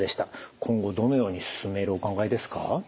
今後どのように進めるお考えですか？